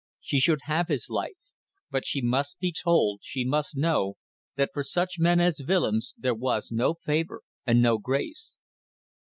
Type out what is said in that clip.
She should have his life. But she must be told, she must know, that for such men as Willems there was no favour and no grace.